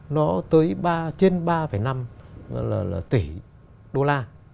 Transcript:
nó tới trên ba năm tỷ đô la